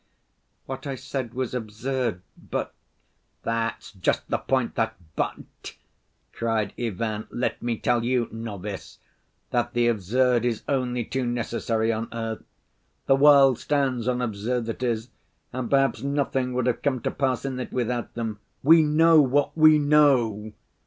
"What I said was absurd, but—" "That's just the point, that 'but'!" cried Ivan. "Let me tell you, novice, that the absurd is only too necessary on earth. The world stands on absurdities, and perhaps nothing would have come to pass in it without them. We know what we know!"